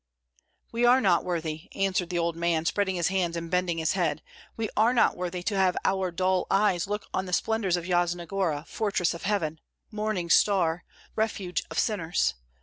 "We are not worthy," answered the old man, spreading his hands and bending his head, "we are not worthy to have our dull eyes look on the splendors of Yasna Gora, Fortress of heaven! Morning Star! Refuge of sinners!